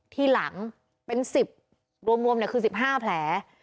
ที่หลังเป็นสิบรวมเนี่ยคือสิบห้าแผล